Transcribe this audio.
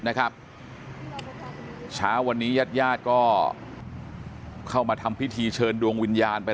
นะครับเช้าวันนี้ญาติญาติก็เข้ามาทำพิธีเชิญดวงวิญญาณไป